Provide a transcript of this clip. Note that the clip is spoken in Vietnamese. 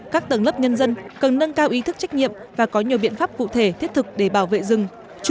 các tầng lớp nhân dân cần nâng cao ý thức trách nhiệm và có nhiều biện pháp cụ thể thiết thực để bảo vệ rừng